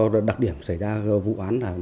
do đặc điểm xảy ra vụ án